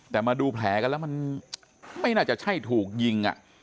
แต่มาดูแผลกันแล้วมันไม่น่าจะใช่ถูกยิง